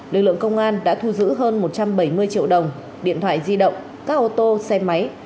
lực lượng công an đã thu giữ hơn một trăm bảy mươi triệu đồng điện thoại di động các ô tô xe máy